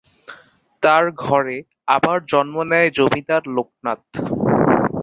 তার ঘরে আবার জন্ম নেন জমিদার লোকনাথ।